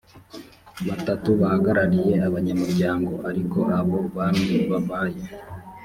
batatu bahagarariye abanyamuryango ariko abo bami babaye